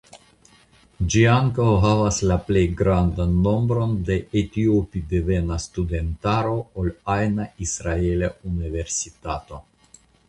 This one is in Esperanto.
Ĝi ankaŭ havas la plej grandan nombron de etiopidevena studentaro ol ajna israela universitato.